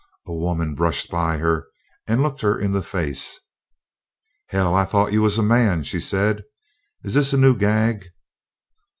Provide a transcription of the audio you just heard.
A woman brushed by her and looked her in the face. "Hell! I thought you was a man," she said. "Is this a new gag?"